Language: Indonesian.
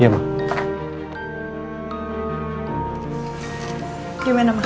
iya tagang tangannya juga udah